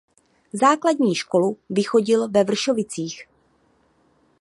Základní školu vychodil ve Vršovicích.